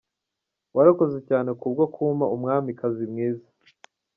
Warakoze cyane kubwo kumpa umwamikazi mwiza.